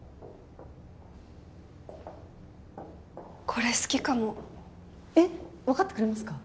これ好きかもえっ分かってくれますか？